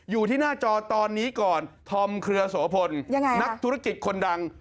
อยู่ที่หน้าจอตอนนี้ก่อนธอมเครือโสพลนักธุรกิจคนดัง